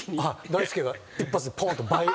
大輔が一発でぽーんと倍。